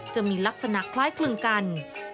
จะมีลักษณะคล้ายคลึงกัน